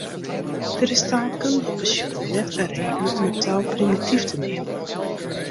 Der is taalkundich besjoen net in reden om in taal primityf te neamen.